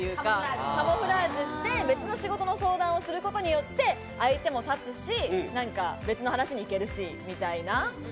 カムフラージュして別の相談をする事によって、相手も立つし別の話に行ける。